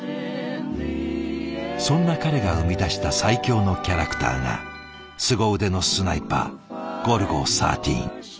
そんな彼が生み出した最強のキャラクターがすご腕のスナイパーゴルゴ１３。